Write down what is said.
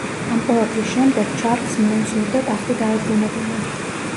ამ ყველაფრის შემდეგ, ჩარლზს მაინც სურდა ტახტი დაებრუნებინა.